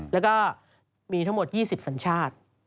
และก็มีทั้งหมด๒๐ศนชาติ